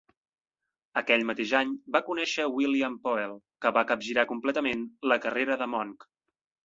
Aquell mateix any va conèixer William Poel, que va capgirar completament la carrera de Monck.